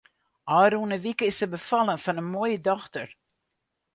Ofrûne wike is se befallen fan in moaie dochter.